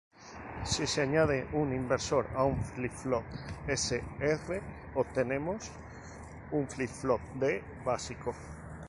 Si se añade un inversor a un flip-flop S-R obtenemos un flip-flop D básico.